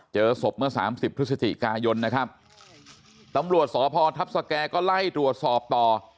เจอศพเมื่อ๓๐พฤศจิกายนตำรวจศพทัพสแก่ก็ไล่ตรวจสอบต่อ